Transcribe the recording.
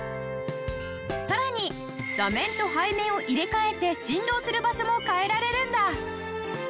さらに座面と背面を入れ替えて振動する場所も変えられるんだ。